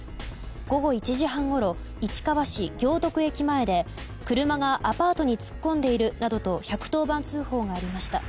午後１時半ごろ市川市行徳駅前で車がアパートに突っ込んでいるなどと１１０番通報がありました。